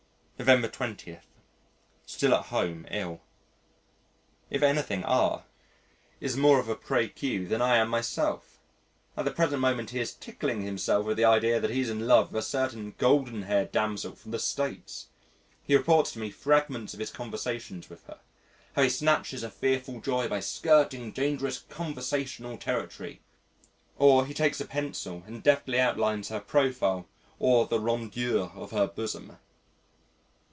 November 20. Still at home ill. If anything, R is more of a précieux than I am myself. At the present moment he is tickling himself with the idea that he's in love with a certain golden haired damsel from the States. He reports to me fragments of his conversations with her, how he snatches a fearful joy by skirting dangerous conversational territory, or he takes a pencil and deftly outlines her profile or the rondeur of her bosom.